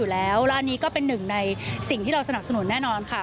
แล้วร้านนี้ก็เป็นหนึ่งในสิ่งที่เราสนับสนุนแน่นอนค่ะ